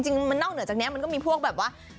นอกเหนือจากนี้มันก็มีพวกแบบว่า